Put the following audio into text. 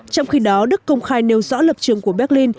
trong khi đó đức công khai nêu rõ lập trường của berlin